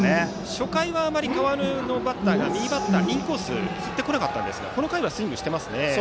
初回は川之江のバッターは右バッターはインコースを振ってこなかったですがこの回はスイングしてますね。